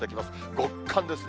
極寒ですね。